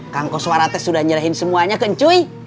kang koswarate sudah nyerahin semuanya ke cuy